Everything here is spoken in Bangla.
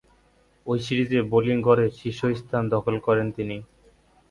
ঐ সিরিজে বোলিং গড়ে শীর্ষস্থান দখল করেন তিনি।